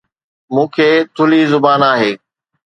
مون کي ٿلهي زبان آهي